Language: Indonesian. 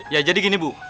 ya jadi gini bu